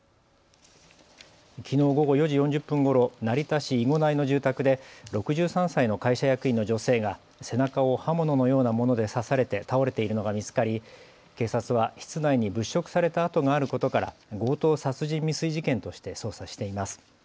きのう午後４時４０分ごろ、成田市囲護台の住宅で６３歳の会社役員の女性が背中を刃物のようなもので刺されて倒れているのが見つかり警察は室内に物色された跡があることから強盗殺人未遂事件として捜査しています。